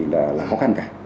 là khó khăn cả